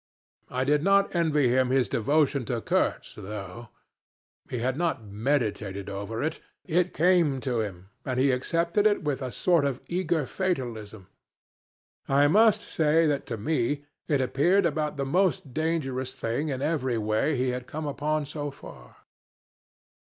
I did not envy him his devotion to Kurtz, though. He had not meditated over it. It came to him, and he accepted it with a sort of eager fatalism. I must say that to me it appeared about the most dangerous thing in every way he had come upon so far.